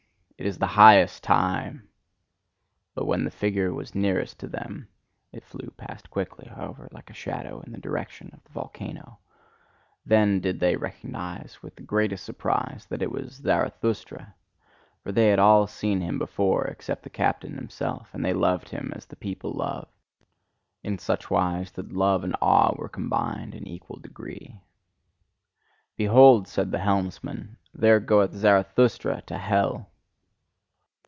It is the highest time!" But when the figure was nearest to them (it flew past quickly, however, like a shadow, in the direction of the volcano), then did they recognise with the greatest surprise that it was Zarathustra; for they had all seen him before except the captain himself, and they loved him as the people love: in such wise that love and awe were combined in equal degree. "Behold!" said the old helmsman, "there goeth Zarathustra to hell!"